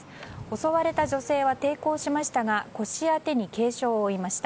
襲われた女性は抵抗しましたが腰や手に軽傷を負いました。